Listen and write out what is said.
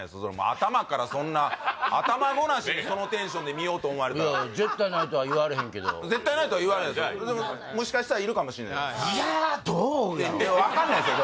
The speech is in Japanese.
頭からそんな頭ごなしにそのテンションで見ようと思われたら絶対ないとは言われへんけど絶対ないとは言われへんですよでももしかしたらいるかもしれない分かんないですよ